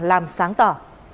làm sáng tỏ